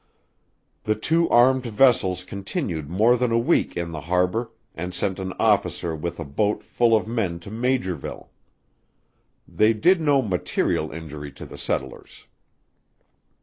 The two armed vessels continued more than a week in the harbour and sent an officer with a boat full of men to Maugerville: They did no material injury to the settlers.